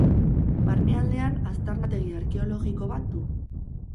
Barnealdean aztarnategi arkeologiko bat du.